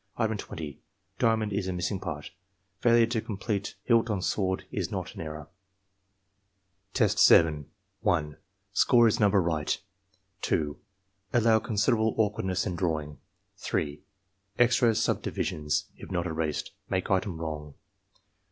Item 20. — Diamond is the missing part. Failure to complete hilt on sword is not an error. Test? 1. Score is number right. 2. Allow considerable awkwardness in drawing, 3. Extra subdivisions, if not erased, make item wrong.